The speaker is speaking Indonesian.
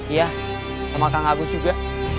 iya sama kang agus juga